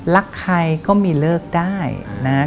รักใครก็มีเลิกได้นะ